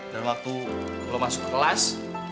dan waktu lo masuk kelas